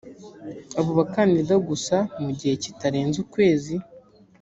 abo bakandida gusa mu gihe kitarenze ukwezi